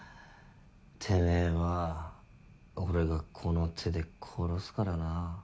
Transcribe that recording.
てめぇは俺がこの手で殺すからな。